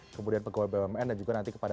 kemudian pegawai bumn dan juga nanti kepada